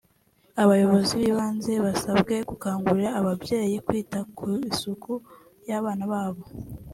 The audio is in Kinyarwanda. Abayobozi b’ibanze basabwe gukangurira ababyeyi kwita ku isuku y’abana babo